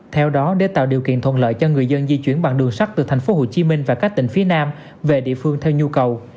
theo đó để tạo điều kiện thuận lợi cho người dân di chuyển bằng đường sắt từ thành phố hồ chí minh và các tỉnh phía nam về địa phương theo nhu cầu